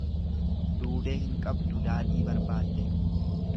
Duudee hin qabduu daadhii barbaadde.